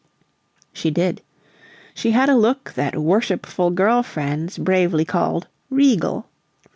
She did. She had a look that worshipful girl friends bravely called "regal."